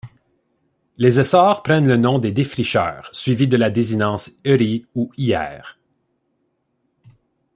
Les essarts prennent le nom des défricheurs, suivi de la désinence -erie ou -ière.